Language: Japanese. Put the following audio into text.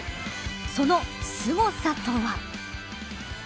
そのすごさとは。